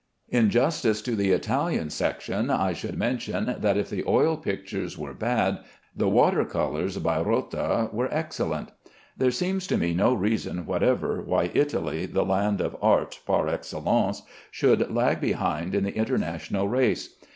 In justice to the Italian section I should mention that if the oil pictures were bad, the water colors by Rota were excellent. There seems to me no reason whatever why Italy, the land of art (par excellence), should lag behind in the international race.